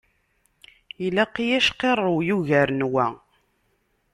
Ilaq-iyi acqirrew yugaren wa.